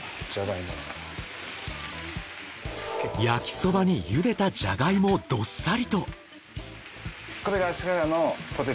焼きそばに茹でたジャガイモをどっさりと。